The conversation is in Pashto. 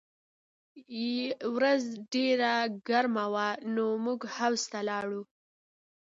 ورځ ډېره ګرمه وه نو موږ حوض ته لاړو